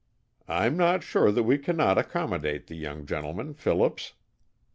"I'm not sure that we cannot accommodate the young gentleman, Phillips."